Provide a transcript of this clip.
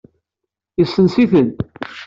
Yesens-iten.